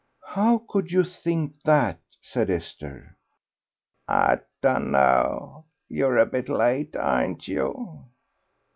"How could you think that?" said Esther. "I dun know... you're a bit late, aren't you?"